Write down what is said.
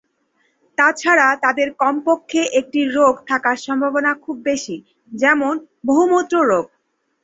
তাছাড়া, তাদের কমপক্ষে একটি রোগ থাকার সম্ভাবনা খুব বেশি, যেমন বহুমূত্র রোগ।